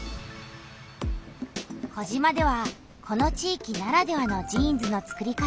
児島ではこの地域ならではのジーンズのつくり方をしている。